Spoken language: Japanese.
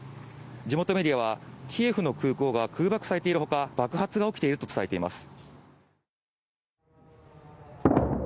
地元メディアは、キーウの空爆されているほか、爆発が起きていると伝えています。